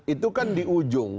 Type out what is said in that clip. itu kan di ujung